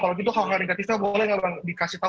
kalau gitu hal hal negatifnya boleh nggak bang dikasih tahu